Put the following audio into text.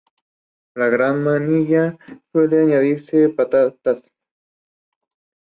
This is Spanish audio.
En la Gran Manila suele añadirse patatas.